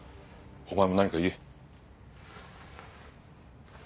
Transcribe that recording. お前も何か言え。